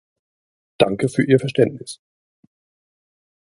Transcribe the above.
Danke für Ihr Verständnis!